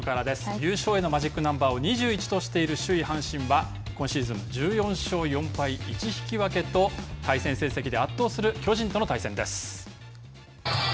優勝へのマジックナンバーを２１としている首位阪神は今シーズン１４勝４敗１引き分けと対戦成績で圧倒する巨人との対戦です。